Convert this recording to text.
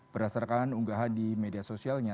berdasarkan unggahan di media sosialnya